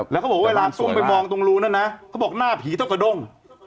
เมื่อไปมองตรรูเนาะนะเขาบอกหน้าผีแทบตะโด้ง